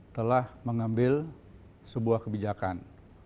telah mengambil sebuah kebijakan